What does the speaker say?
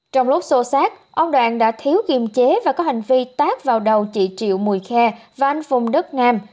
trong lúc xô xác ông đoàn đã thiếu kiềm chế và có hành vi tác vào đầu chị triệu mùi khe và anh phùng đức nam